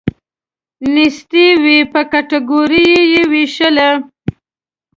نیستي وی په کټګوریو یې ویشل.